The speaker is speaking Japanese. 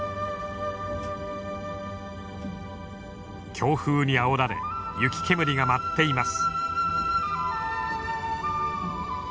強風にあおられ雪煙が舞っています。